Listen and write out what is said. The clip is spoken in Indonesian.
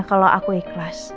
kalau aku ikhlas